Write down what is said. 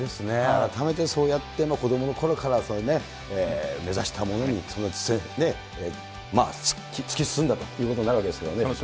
改めてそうやって子どものころから目指したものに突き進んだといそのとおりですね。